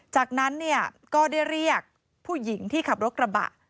จากนั้นเนี่ยก็ได้เรียกผู้หญิงที่ขับรถกระบะ